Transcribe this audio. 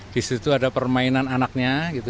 di situ ada permainan anaknya gitu